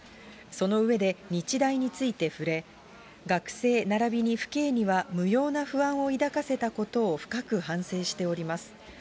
その上で、日大について触れ、学生ならびに父兄には無用な不安を抱かせたことを深く反省しております。